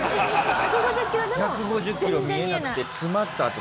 １５０キロ見えなくて詰まったあと。